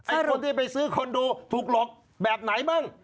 คนที่ไปซื้อคอนโดถูกหลอกแบบไหนบ้าง